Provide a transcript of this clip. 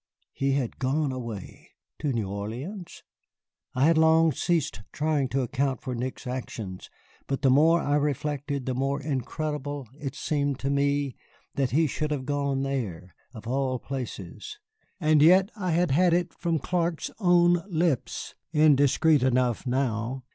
He had gone away! To New Orleans? I had long ceased trying to account for Nick's actions, but the more I reflected, the more incredible it seemed to me that he should have gone there, of all places. And yet I had had it from Clark's own lips (indiscreet enough now!)